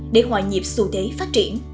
để hòa nhịp xu thế phát triển